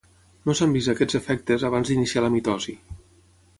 No s'han vist aquests efectes abans d'iniciar la mitosi.